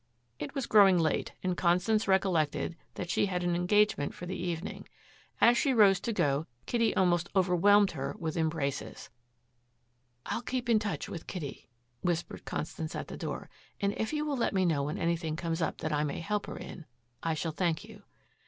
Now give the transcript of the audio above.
It was growing late and Constance recollected that she had an engagement for the evening. As she rose to go Kitty almost overwhelmed her with embraces. "I'll keep in touch with Kitty," whispered Constance at the door, "and if you will let me know when anything comes up that I may help her in, I shall thank you."